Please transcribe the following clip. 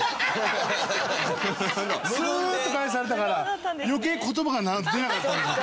スーッと返されたから余計言葉が出なかったんですよ。